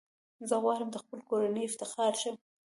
زه غواړم د خپلي کورنۍ افتخار شم .